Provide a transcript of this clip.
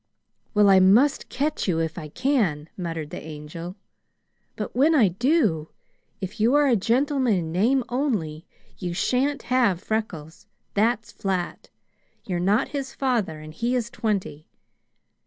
"Well, I must catch you if I can," muttered the Angel. "But when I do, if you are a gentleman in name only, you shan't have Freckles; that's flat. You're not his father and he is twenty.